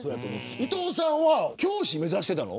伊藤さんは教師目指していたの。